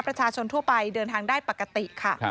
ประชาชนทั่วไปเดินทางได้ปกติค่ะ